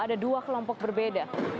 ada dua kelompok berbeda